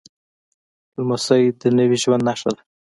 لمسی د نوي ژوند نښه ده.